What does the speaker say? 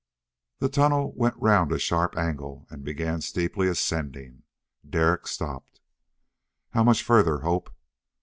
The tunnel went round a sharp angle and began steeply ascending. Derek stopped. "How much further, Hope?"